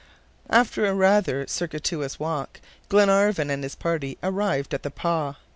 After a rather circuitous walk, Glenarvan and his party arrived at the "pah."